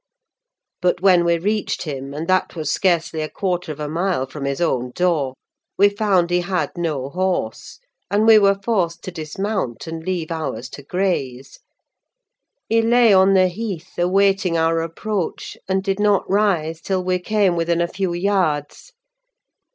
But when we reached him, and that was scarcely a quarter of a mile from his own door, we found he had no horse; and we were forced to dismount, and leave ours to graze. He lay on the heath, awaiting our approach, and did not rise till we came within a few yards.